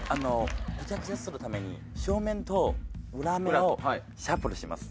グチャグチャにするために正面と裏面をシャッフルします。